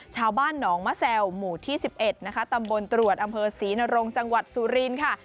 ชาวบ้านหนองมะแซวหมู่ที่๑๑นะคะตำบลตรวจอำเภอศรีนรงจังหวัดสุรินทร์ค่ะ